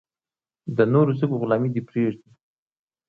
د نورو ژبو غلامي دې پرېږدي.